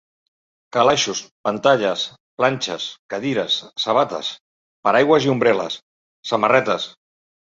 Calaixos, pantalles, planxes, cadires, sabates, paraigües i ombrel·les, samarretes...